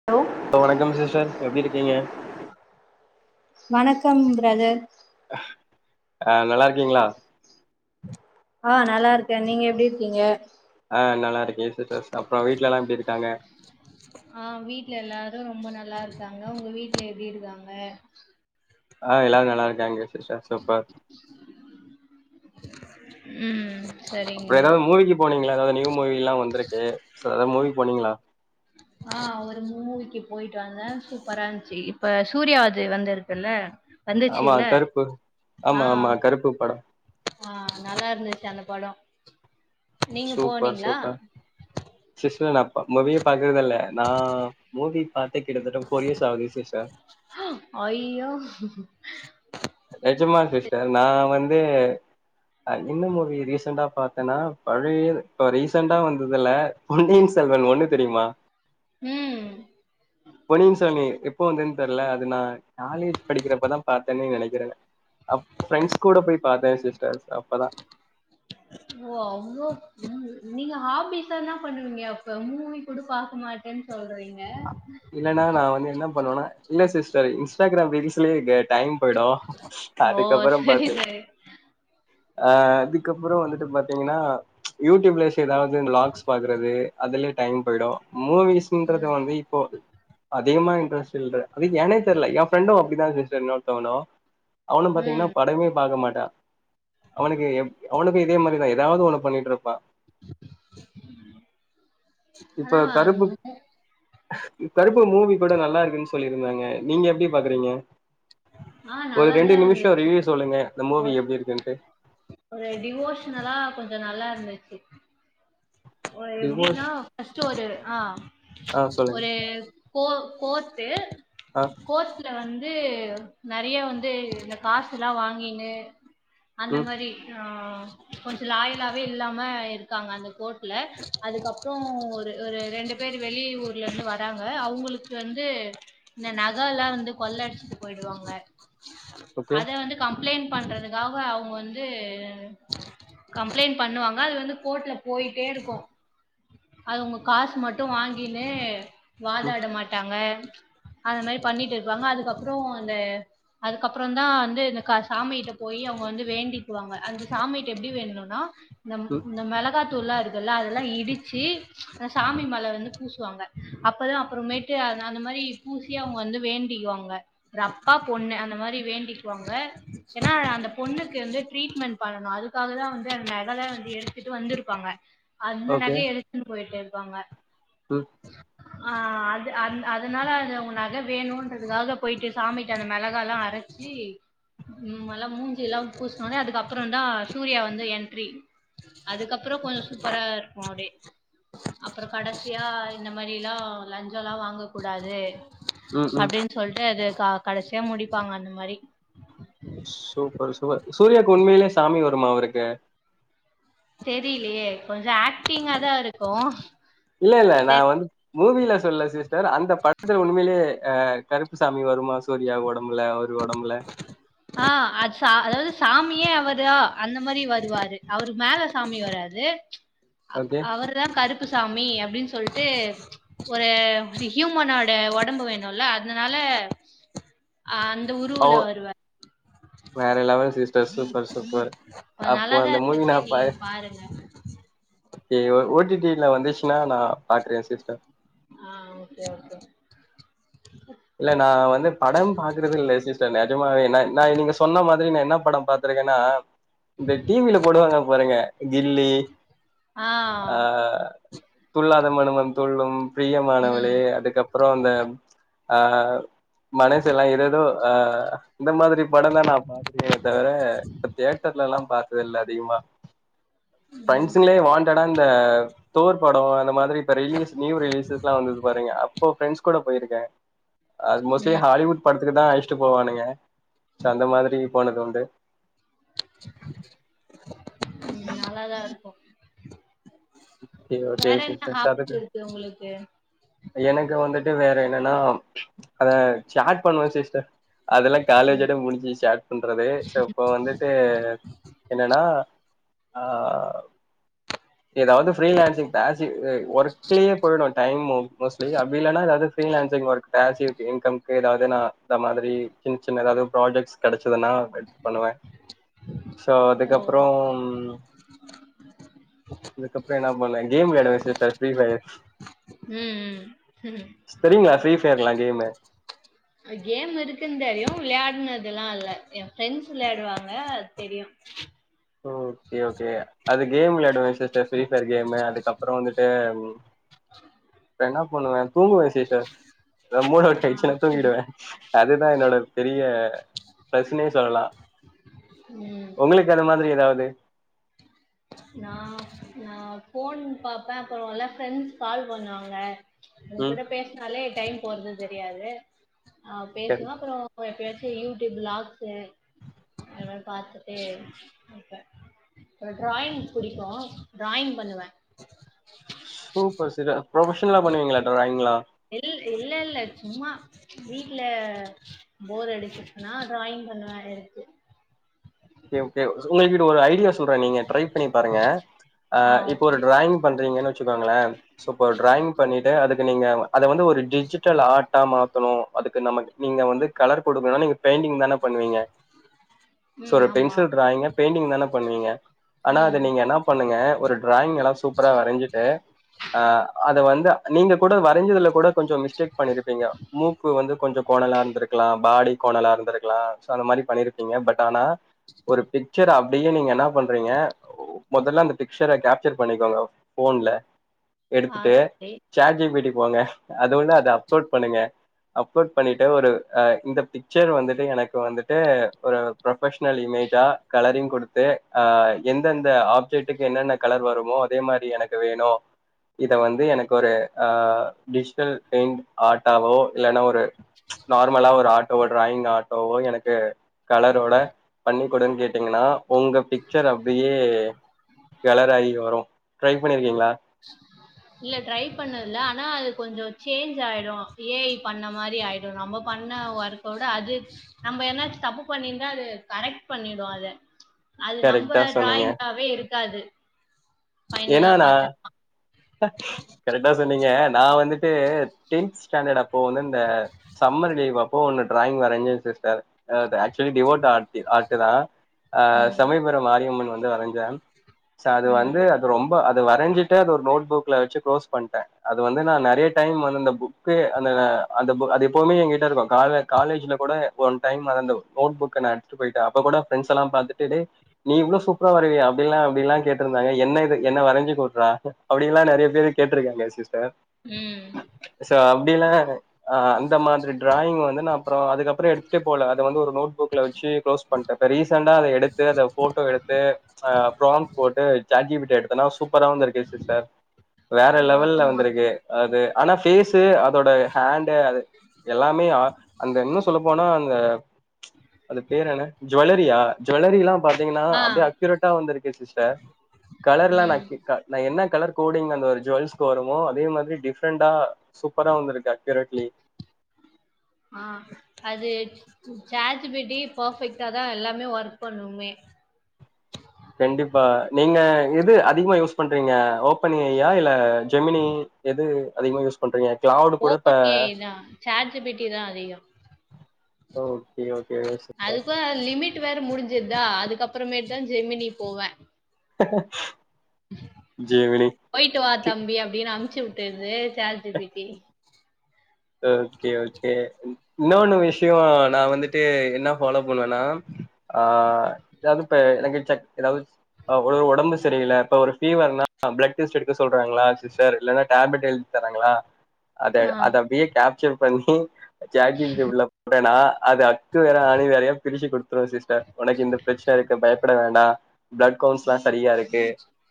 Hello hello வணக்கம் sister எப்டி இருக்கீங்க வணக்கம் பிரதர் ஆ நல்லா இருக்கீங்ளா ஆ நல்லா இருக்கேன் நீங்க எப்டி இருக்கீங்க ஆ நல்லா இருக்கே சிஸடர்ஸ் அப்றோ வீட்லலா எப்டி இருக்காங்க ஆ வீட்ல எல்லாரு ரொம்போ நல்லா இருக்காங்க உங்க வீட்ல எப்டி இருக்காங்க ஆ எல்லாரு நல்லா இருக்காங்க சிஸ்டர் சூப்பர் ம் சரிங்க அப்றோ ஏதாது மூவிக்கு போனீங்ளா எதாது நியூ மூவில்லா வந்துருக்கு சோ எதா மூவிக் போனீங்கிளா ஆ ஒரு மூவிக்கு போய்ட்டு வந்த சூப்பரா இர்ந்ச்சு இப்ப சூர்யாவஜு வந்திருக்குல்ல ஆமா வந்துச்சூல கருப்பு ஆ ஆமா ஆமா கருப்பு படம் ஆ நல்லா இருந்துச்சு அந்த படோ நீங்க சூப்பர் போனீங்ளா சூப்பர் சிஸ்டர் நா இப்ப மூவியே பாக்கறதில்ல நா மூவி பாத்தே கிட்டத்தட்ட ஃபோர் இயர்ஸ் ஆகுது சிஸ்டர் ஐயோ நெஜமா சிஸ்டர் நான் வந்து அ என்ன மூவி ரீசண்டா பாத் தனா பழையது இப்ப ரீசன்ட்டா வந்ததுல பொன்னியின் செல்வன் ஒன்னு தெரிமா ம் பொன்னியின் செமி எப்போ வந்ததுன் தெர்ல அது நா காலேஜ் படிக்கிறப்பதா பாரத்தனே நெனைக்கிற அப் ஃபிரெண்ட்ஸ் கூட போய் பாத்தே சிஸ்டர்ஸ் அப்பதா ஓ அவ்ளோ ம் நீங்க ஹாபிஸா என்ன பண்ணுவீங்க அப்ப மூவி கூட பாக்க மாட்டேன் சொல்றீங்க இன்னனா நா வந்து என்ன பண்ணுவனா இல்ல சிஸ்டர் இன்ஸ்டாகிராம் ரீல்ஸ்லே இங்க டைம் போய்டு ஓ அதுக்கப்பறம் சரி பாத்து சரி ஆ அதுக்கப்புறோ வந்துட்டு பாத்தீங்னா யூடியூப்ல சேர் எதாவது அந்த லாக்ஸ் பாக்குறது அதுலே டைம் போய்டு மூவிஸ்ன்றது ம் வந்து இப்போ அதிகமா இன்ட்ரஸ்ட் இல்ல அது ஏனே தெர்ல என் ஃபிரெண்டு அப்டிதா சிஸ்டர் இன்னோர்தவணு அவனு பாத்தீங்னா ம் படமே பாக்க மாட்டான் அவனுக்கு எம் அவனுக்கு இதே மாரிதா எதாவ்து ஒன்னு பண்ணிட்ருப்பான் ம் இப்ப கருப்பு கருப்பு மூவி கூட நல்லா இருக்குன் சொல்லிருந்தாங்க நீங்க எப்டி பாக்குறீங்க ஆ ஒரு நல்லாதா ரெண்டு நிமிஷோ இருந்துச்சு ரிவ்யூ சொல்லுங்க இந்த மூவி ஒரு எப்டி இருக்குன்ட்டு ஒரு டிவோஷ்னலா கொஞ்சோ நல்லா இருந்துச்சு அ டிவோஷ் எப்டினா ஃபஸ்ட்டு ஒரு ஆ ஆ சொல்லுங்க ஒரு கோ கோர்ட்டு ஆ கோர்ட்டுல வந்து நெறைய வந்து இந்த காசுலா வாங்கீனு அந்த ம் மாரி அ கொஞ்சு லாயிலாவே இல்லாம இருக்காங்க அந்த கோட்ல அதுக்கப் அப்றோ ஒரு ஒரு ரெண்டு பேர் வெளி ஊர்ல இருந்து வராங்க அவுங்குளுக் வந்து இந்த நகலா வந்து கொள்ள அடிச்சுட்டு போய்டுவாங்க ஓகே அத வந்து கம்ப்ளைண்ட் பண்றதுக்காக அவங்க வந்து கம்ப்ளைண்ட் பண்ணுவாங்க அது வந்து கோர்ட்ல போயிட்டே இருக்கு அது உங்க காசு மட் வாங்கினு ம் வாதாட மாட்டாங்க அந்த மாறி பண்ணிட்டு இருப்பாங்க அதுக்கப்பறம் அந்த அதுக்கப்பறம் தா வந்து இந்த க சாமிகிட்ட போயி அவங்க வந்து வேண்டிக்குவாங்க அந்த சாமிட்ட எப்டி வேண்டுணும்னா இந்த ம் இந்த மிளகாத் தூள் எல்லா இருக்குல்ல அதெல்லா இடிச்சி சாமி மேல வந்து பூசுவாங்க அப்பதா அப்பறமே அப்டியே அன் அந்த மாறி பூசி அவங்க வந்து வேண்டிக்குவாங்க ஒரு அப்பா பொண்ணு அந்த மாறி வேண்டிக்குவாங்க ஏன்னா அந்த பொண்ணுக்கு வந்து ட்ரீட்மெண்ட் பண்ணணும் அதுக்காக தான் வந்து அந்த நகைல்லாம் வந்து எடுத்துட்டு வந்திருப்பாங்க அந்த ஓகே நகைய எதுக்குன்னு போயிட்டே இருப்பாங்க ம் அ அது அ அதுனால அது உன் நகை வேணுன்றதுக்காக போயிட்டு சாமிட்ட அந்த மிளகால்லா அரைச்சி ம் மூஞ்சி எல்லா பூஸ்சுனஉன்னே அதுக்க அப்பறம் தான சூர்யா வந்து என்ட்ரி அதுக்கப்பறம் கொஞ்சோ சூப்பரா இருக்கு அப்டியே அப்பறம் கடைசியா இந்த மாறி எல்லாம் லஞ்சம்ல்லா வாங்க கூடாது ம் ம் அப்டின்னு சொல்ட்டு அது க கடைசியா முடிப்பாங்க அந்த மாறி சூப்பர் சூப்பர் சூர்யாக்கு உண்மையிலேயே சாமி வருமா அவருக்கு தெரியலையே கொஞ்சம் ஆக்டிங்கா தா இருக்கும் இல்ல இல்ல நான் வந்து மூவில சொல்லல சிஸ்டர் அந்த படத்துல உண்மையிலேயே அ கருப்புசாமி வருமா சூர்யா ஒடம்புல அவரு ஒடம்புல அ அச்சா அதாவது சாமியே அவரா அந்த மாறி வருவாரு அவரு மேல சாமி வராது அ ஓகே அவர் தா கருப்பு கருப்புசாமி அப்டின்னு சொல்ட்டு ஒரு ஹியூமனோட ஒடம்பு வேணும்ல்ல அது அதனால அ அந்த ஓ உருவுல வருவ வேற லெவல் சிஸ்டர் சிம் சூப்பர் கொஞ்ச அப்ப நல்லாதா அந்த மூவி இருந்துச்சு நா நீங்க பாக் பாருங்க ஐய்யய்யோ ஓடி டி ல வந்துச்சுன்னா நா பாக்குறேன் சிஸ்டர் அ ஓகே ஓகே இல்ல நா வந்து படம் பாக்குறது இல்ல சிஸ்டர் நெஜமாவே ந நா நீங்க சொன்ன மாதிரி நா என்ன படம் பாத் திருக்கன்னா இந்த டிவில போடுவாங்க பாருங்க கில்லி ஆ அ துள்ளாத மனமும் துள்ளும், ம் ப்ரியமானவளே அதுக்கப்பறோ அந்த அ மனசெல்லா ஏதேதோ அ இந்த மாதிரி படந்தா நா பாப்பேனே தவர இப்ப தேட்டர்ல எல்லா பாத்தது இல்ல அதிகமா ம் ப்ரெண்சுங்களே வான்டடா இந்த தோர் படோ அந்த மா ரி இப்ப ரிலீஸ் நியூ ரிலீசஸ்ல்லா வந்துருக்கு பாருங்க அப்போ ஃப்ரெண்ட்ஸ் கூட போயிருக்கே. அது மோஸ்ட்லி ம் ஹாலிவுட் படத்துக்கு தா அழைச்சுட்டு போவானுங்க சோ அந்த மாதிரி போனது உண்டு. ம் நல்லாதா இருக்கு. ஓகே ஓகே வேற என்ன சிஸ்டர் [unintelligible] சரக்கு இருக்கு உங்களுக்கு எனக்கு வந்துட்டு வேற என்னன்னா அத சேட் பண்ணுவே சிஸ்டர். அதெல்லா காலேஜ் ஓட முடிஞ்சிச்சு பன்றதே சோ இப்போ வந்துட்டு என்னன்னா அ எதாவது ஃப்ரீலான்சிங் பேஸி வர்க்லயே போய்டு டைம் மோ மோஸ்லி அப்டி இல்லன்னா எதாவது ஃப்ரீலான்சிங் வர்க் பேசிவ் இன்கம்க்கு எதாவது நா அந்த மாதிரி சின்ன சின்ன எதாவது ப்ராஜெக்ட்ஸ் கெடச்சு கெடச்சதுனா பண்ணுவே சோ ஓ அதுக்கபறோ ஓகே இதுக்கப்பறோ என்ன பண்ண கேம் வெளயாடுவே சிஸ்டர் ஃப்ரீஃபயர் ம் ம் ம் ஃப்ரீயா ஃப்ரீயா ஃபயர்லா கேமு கேம் இருக்குன்னு தெரியு விளையாடுனது எல்லா இல்ல ஏ ஃப்ரெண்ட்ஸ் விளையாடுவாங்க அது தெரியு ஓகே ஓகே அது கேம் வெளயாடுவ சிஸ்டர் ஃப்ரீஃபயர் கேமுஜஅதுக்கப்பறொ வந்துட்டு ம் என்ன பண்ணுவெ தூங்குவே சிஸ்டர் ஏதாவது மூடு அவுட் ஆ ஆயிட்சுனா தூங்கிடுவே அதுதா என்னோட பெரிய ப்ரெஸ்னே சொல்லலா ம் உங்களுக்கு அந்த மாதிரி எதாவது நா நா போன் பாப்பே அப்பறொ எல்லா ஃப்ரெண்ட்ஸ் கால் பண்ணுவாங்க அவக ம் கூட பேசுனாலே டைம் போறது தெரியாது ஆ சரி பேசனு அப்பறோ எப்பயாச்சு யூடியூப் ப்ளாக்ஸு எதாவது பாத்துட்டே இருப்பே என்னகு ட்ராயிங் புடிக்கு ட்ராயிங் பண்ணுவே சூப்பர் சி ப்ரமோஷன்லா பண்ணுவீகளா ட்ராயிலா இல் இல்ல இல்ல சும்மா வீட்ல போர் அடிச்சுருன்னா ட்ராயிங் பண்ணுவே இருக்கு ஓகே ஓகே [unintelligible] ஒரு ஐடியா சொல்றே நீங்க ட்ரை பண்ணி பாருங்க ஆ இப்ப ஒரு ட்ராயிங் பண்றீங்க வேச்சுகளே சோ இப்போ ட்ராயிங் பண்ணிட்டு அதுக்கு நீங்க அத வந்து ஒரு டிஜிட்டல் ஆட்டா மாத் தணு அதுக்கு நம்ம நீங்க வந்து கலர் கொடுக்கணுனா நீங்க பெயிண்டிங் தான பண்ணுவீங்க சோ ம் ஒரு ஆமா பென்சில் ட்ராயிங்க பெயிண்டிங் தான பண்ணுவீங்க ஆனா ம் அது நீங்க என்ன பண்ணுங்க ஒரு ட்ராயிங் வேனா சூப்பரா வரஞ்சுட்டு ஆ அத வந்து நீங்க கூட வரஞ்சதுல கூட கொஞ்சோ மிஸ்டேக் பண்ணிர்பீங்க மூக்கு வந்து கொஞ்சோ கோணலா இருந்திருகலா பாடி கோணலா இருந்திருகலா சோ அந்த மாதிரி பண்ணிருபீங்க பட் ஆனா ஒரு பிச்சர் அப்பிடியே நீங்க என்ன பண்றீங்க ஓ மொதல்ல அந்த பிக்சர கேப்சர் பண்ணிக்கோங்க போன்ல ஆ எடுத்துட்டு சரி சார் ஜி் பீ டீ போங்க அது ஒன்னு அத அப்லோட் பண்ணுங்க அப்லோ பண்ணிட்டு ஒரு அ இந்த பிச்சர வந்துட்டு எனக்கு வந்துட்டு ஒரு ப்ரொ ப்ரொஃஸன இமேஜா கலரிங் குடுத்து எந்தந்த ஆ ஆப்ஜெக்ட்டுக்கு என்னென்ன கலர் வருமோ அதே மாரி எனக் க்கு வேணு இத வந்து எனக்கு ஒரு ஆ டிஜிட்டல் பெயிண்ட் ஆட்டாவோ இல்லனா ஒரு நார்மலா ஒரு ஆட்டோவோ டிராயிங் ஆட்டோவோ எனக்கு கலர்ரோட பண்ணிக்குடுனு கேட்டீங்கனா உங்க பிக்சர் அப்படியே கலர் அகிவரும் ட்ரை பண்ணியிருக்கீங்களா [unintelligible] இல்ல ட்ரை பண்ணதுல ஆனா அது கொஞ்சோ சேஞ்ச் ஆயிடு ஏ ஐ பண்ண மாரி ஆயிடு நம்ம பண்ண ஓர்க விட அது நம்ம என்னாச்சு தப்பு பண்ணியிருந்தா அது கரெக்ட் பண்ணிடு அத அது நம்ம கரெக்டா சொன்னீங்க டிராயிங்காவே இருக்காது ஏன்னா ஃபைனலா நா பாத்தன்னா பா கரெக்டா சொன்னீங்க நான் வந்துட்டு டென்ஸ் ஸ்டாண்டர்ட் அப்போ வந்து இந்த சம்மர் லீவ் அப்போ ஒன்னு ட்ராயிங் வரஞ்சே சிஸ்டர் அ அது ஆக்சுவலி டிவோர்ட் ஆர்ட்டி ஆர்ட்டு தா ஆ ம் சமயபுர மாரியம்மன் வந்து வரஞ்சே சோ அது ம் வந்து அது ரொம்ப அது வரஞ்சிட்டு அது ஒரு நோட் புக்ல வெச்சு க்ளோஸ் பண்ட்டே அது வந்து நா நெறைய டைம் வந்து அந்த புக் க்கு அந்த அ அந்த பு அது எப்பவுமே எங்கிட்ட இருக்கு கால்ல காலேஜுல கூட ஓன் டைம் மறந்து நோட் புக்க நா எட்த் த்துட்டு போயட்டா அப்ப கூட ஃபிரண்ட்ஸ் எல்லா பாத்துட்டு டே நீ இவ்ளோ சூப்பரா வரைவியா அப்டில்லா அப்டில்லா கேட்ருந்தாங்க என்ன இது என்ன வரஞ்சு குட்றா அப்டின்லா நெறைய பேரு கேட்ருக்காங்க சிஸ்டர் ம் சோ அப்டிலா ஆ அந்த மாதிரி ட்ராயிங் வந்து நா அப்றோ அதுக்கப்பற எடுத்துட்டே போல அத வந்து ஒரு நோட்புக்ல வெச்சு குளோஸ் பண்ட்டே இப்ப ரீசண்டா அத எடுத்து அத ஃபோட்டோ எடுத்து ஆ பிராம்ட் போட்டு சாட் ஜி பி டி ட எடுத் தனா சூப்பரா வந்திருக்கு சிஸ்டர் வேற ஓ லெவல்ல ஆமா வந்திருக்கு அது ஆனா ஃபேஸ் ட்டு அதோட ஹேண்டு அது எல்லாமே ஆ அந்த இன்னு சொல்ல போனா அந்த தி அது பேர் என்ன ஜுவல்லரியா ஜுவல்லரிலா பாத்தீங்கனா ஆ அப்டியே அக்யூரேட்டா வந்திருக்கு சிஸ்டர் கலர்லா நா ம் கேக்கா நா என்ன கலர் கோடிங்ல அந்த ஒரு ஜுவல்ஸ்க்கு வருமோ அதே மாதிரி டிஃப்ரெண்டா சூப்பரா வந்திருக்கு அக்கியுரட்லி ஆ அது ம் சாட் ஜி பி டி பெர்ஃபெக்ட்டா தா எல்லாமே ஒர்க் பண்ணுமே கண்டிப்பா நீங்க எது அதிகமா யூஸ் பண்றீங்க ஓப்பன் ஏ ஐ யா இல்ல ஜெமினி எது அதிகமா யூஸ் பண்றீங்க கிளவ்டு ஓப்பன் ஏ ஐ தா சாட் ஜி பி டி தா அதிக ஓகே ஓகேங்க சூப்பர் அதுக்கு லிமிட் வேற முடிஞ்சுர்தா அதுக்கப்பறமேட்டு தா ஜெமினி போவே ஜெமினி போயிட்டு வா தம்பி அப்டின்னு அம்ச்சு வுட்டுருது chat G B D okay okay ம் உன்னொன்னு விஷ்யோ நா வந்துட்டு என்ன ஃபாலோ பண்ணுவேனா ஆ எதாவ்து இப்ப எனக்கு சட் எதாவ்து அ ஒரு ஒடம்பு செரியில்ல இப்ப ஒரு ஃபீவர்னா பிளட் டெஸ்ட் எடுக்க சொல்றாங்களா சிஸ்டர் இல்லனா டேப்லெட் எழ் தராங்களா அத ஆ அத அப்டியே கேப்சர் பண்டாடு சாட் ஜி பி டி உள்ள போட்டனா அது க்கு வேற ஆணி வேறையா பிரிச்சு குடுத்துரு சிஸ்டர் ஒனக்கு இந்த பிரச்சன இருக்கு பயப்பட வேண்டா பிளட் கவுன்ட்ஸ்லா சரியா இருக்கு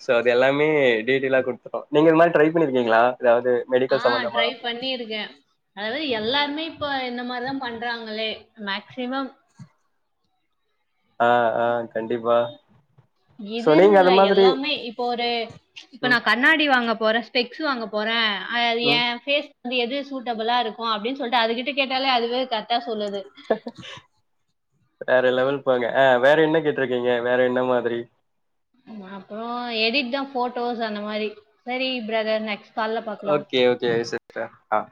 சோ அது எல்லாமே டீடெய்லா குடுத்துரு நீங்க இந்த மாரி ட்ரை பண்ணிருக்கீங்ளா எதாவ்து ஆ ட்ரை பண்ணிருக்கே அதாவ்து எல்லாருமே இப்ப இந்த மாரிதா பண்றாங்களே மேக்சிமம் ஆ ஆ கண்டிப்பா சோ இதுன்னு நீங்க அது இல்ல மாதிரி எல்லாமே இப்ப ஒரு இப்ப நா ம் கண்ணாடி வாங்க போறே ஸ்பெக் ஸு வாங்க போறே அது எ ம் ஃபேஸ் இது எது சூட்டபிளா இருக்கு அப்டின் சொல்ட்டு அதுகிட்ட கேட்டாலே அதுவே கரெக்டா சொல்லுது வேற லெவல் போங்க ஆ வேற என்ன கேட்ருக்கீங்க வேற என்ன மாதிரி ஆமா அப்றோ எடிட் தா ஃபோட்டோஸ் அந்த மாரி செரி பிரதர் நெக்ஸ்ட் கால்ல பாக்கலா ஓகே ஓகே சிஸ்டர் ஆ